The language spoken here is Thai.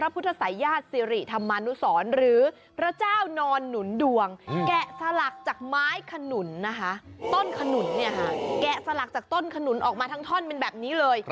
พระเจ้านอนหนุนดวงแกะสลักจากไม้ขนุนต้นขนุนแกะสลักจากต้นขนุนออกมาทั้งท่อนเป็นแบบนี้เลย